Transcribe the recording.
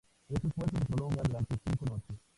Este esfuerzo se prolongó durante cinco noches.